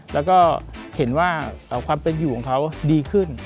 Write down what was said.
แล้วก็เห็นว่าความเป็นอยู่ของเขาดีขึ้น